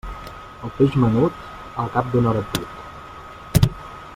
El peix menut, al cap d'una hora put.